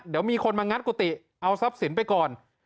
เดี๋ยวมีคนมางัดกุฏิเอาทรัพย์สินไปก่อน